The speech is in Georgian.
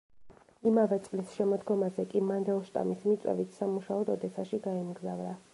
იმავე წლის შემოდგომაზე კი მანდელშტამის მიწვევით სამუშაოდ ოდესაში გაემგზავრა.